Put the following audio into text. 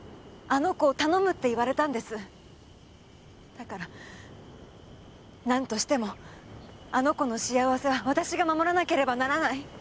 だからなんとしてもあの子の幸せは私が守らなければならない。